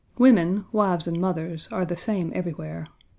Women, wives and mothers, are the same everywhere.